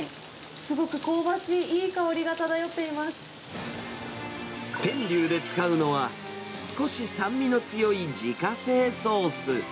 すごく香ばしい、天龍で使うのは、少し酸味の強い自家製ソース。